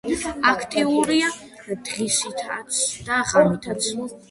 აქტიურია დღისითაც და ღამითაც.